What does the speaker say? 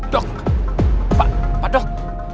dok pak pak dok